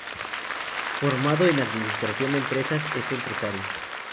Formado en Administración de empresas, es empresario.